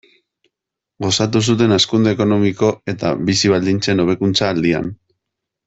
Gozatu zuten hazkunde ekonomiko eta bizi-baldintzen hobekuntza aldian.